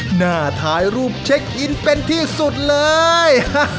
หน้าถ่ายรูปเช็คอินเป็นที่สุดเลย